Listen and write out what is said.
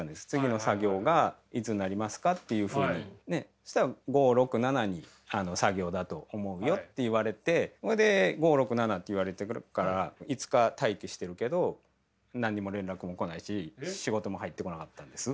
そしたら「５、６、７に作業だと思うよ」って言われてそれで５、６、７って言われてるから５日待機してるけど何にも連絡も来ないし仕事も入ってこなかったんです。